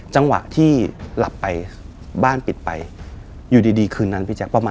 จังหวะเมื่อกนะนะครับ